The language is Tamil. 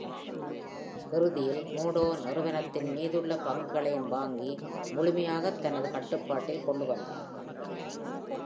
இறுதியில், Murdoch நிறுவனத்தின் மீதமுள்ள பங்குகளையும் வாங்கி முழுமையாகத் தனது கட்டுப்பாட்டில் கொண்டு வந்தார்.